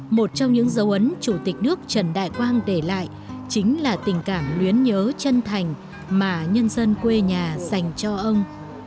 một trong những dấu ấn chủ tịch nước trần đại quang để lại chính là tình cảm luyến nhớ chân thành mà nhân dân quê nhà dành cho ông